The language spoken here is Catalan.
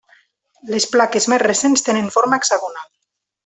Les plaques més recents tenen forma hexagonal.